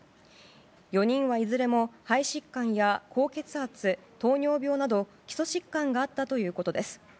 ４人はいずれも肺疾患や高血圧、糖尿病など基礎疾患があったということです。